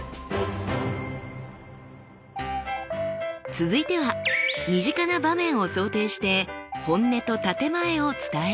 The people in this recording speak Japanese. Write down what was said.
続いては身近な場面を想定して「本音」と「建て前」を伝えてみましょう。